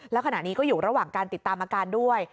แล้วขณะนี้ก็อยู่ระหว่างการติดตามอาการด้วย